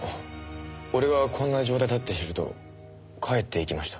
俺がこんな状態だって知ると帰っていきました。